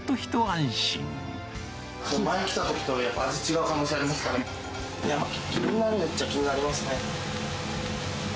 前来たときと、味違う可能性がありますからね、気になるっちゃあ、気になりますね。